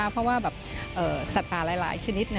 เพราะว่าสัตว์ป่าหลายชนิด